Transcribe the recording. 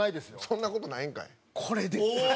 そんな事ないんかい。